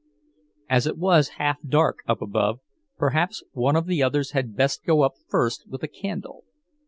As it was half dark up above, perhaps one of the others had best go up first with a candle.